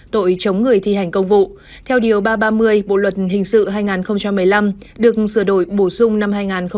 tội chống người thi hành công vụ theo điều ba trăm ba mươi bộ luật hình sự hai nghìn một mươi năm được sửa đổi bổ sung năm hai nghìn một mươi bảy